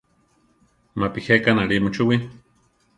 Mapi jéka náli muchúwi.